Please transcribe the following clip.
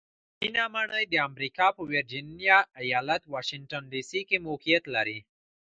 سپینه ماڼۍ د امریکا په ویرجینیا ایالت واشنګټن ډي سي کې موقیعت لري.